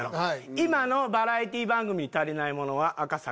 今のバラエティー番組に足りないものは。